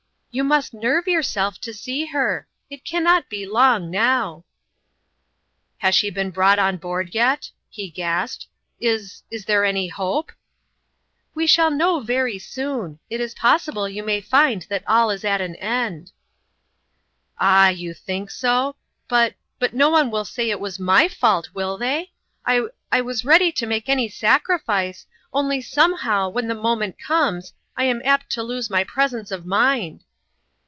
"You must nerve yourself to see her it can not be long now !"" Has she been brought on board yet ?" he gasped. " Is is there any hope ?"" "We shall know very soon. It is possible you may find that all is at an end." " All ! you think so ? But but no one will say it was my fault, will they ? I I was ready to make any sacrifice only somehow, when the moment comes, I am apt to lose my presence of mind."